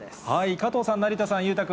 加藤さん、成田さん、裕太君、